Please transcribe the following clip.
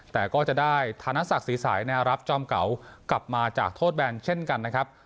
แต่ก็จะได้ธนศักดิ์ศรีสายแนวรับจอมเก่ากลับมาจากโทษแบนเช่นกันนะครับ